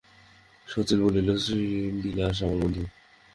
শচীশ বলিল, শ্রীবিলাস, আমার বন্ধু।